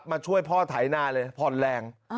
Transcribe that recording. มาช่วยพ่อไถนาเลยผ่อนแรง